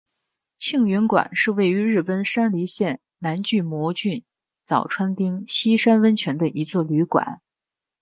庆云馆是位于日本山梨县南巨摩郡早川町西山温泉的一座旅馆。